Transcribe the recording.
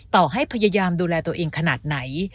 ต่อให้พยายามดูแลตัวเองขนาดไหน